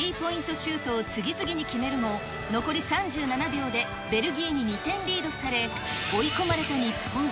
シュートを次々に決めるも、残り３７秒でベルギーに２点リードされ、追い込まれた日本。